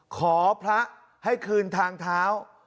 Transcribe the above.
ขอพระให้คืนทางเท้า